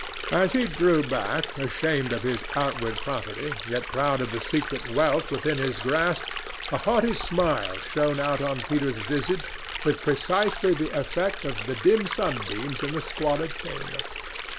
As he drew back, ashamed of his outward poverty, yet proud of the secret wealth within his grasp, a haughty smile shone out on Peter's visage with precisely the effect of the dim sunbeams in the squalid chamber.